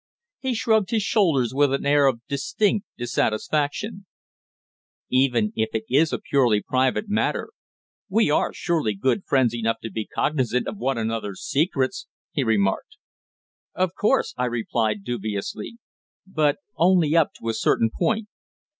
He shrugged his shoulders with an air of distinct dissatisfaction. "Even if it is a purely private matter we are surely good friends enough to be cognisant of one another's secrets," he remarked. "Of course," I replied dubiously. "But only up to a certain point."